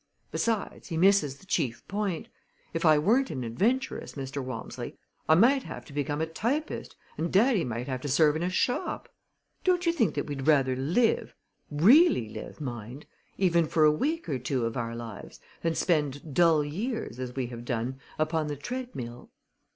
Besides, he misses the chief point. If I weren't an adventuress, Mr. Walmsley, I might have to become a typist and daddy might have to serve in a shop. Don't you think that we'd rather live really live, mind even for a week or two of our lives, than spend dull years, as we have done, upon the treadmill?"